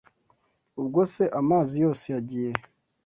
Ubwo se amazi yose yagiye he